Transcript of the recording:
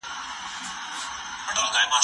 دا قلمان له هغو ښايسته دي!.